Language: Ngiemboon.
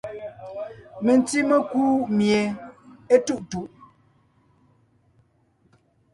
Mentí mekú mie étuʼtuʼ.